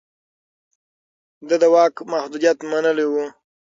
ده د واک محدوديت منلی و.